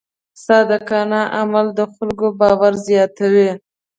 صادقانه عمل د خلکو باور زیاتوي.